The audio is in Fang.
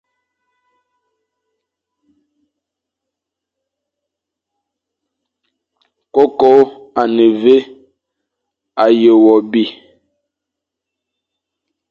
Koko a ne vé, a ye wo bi.